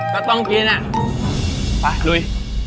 ก็ต้องกินอ่ะไปลุย